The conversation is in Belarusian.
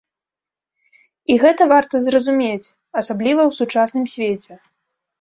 І гэта варта зразумець, асабліва ў сучасным свеце.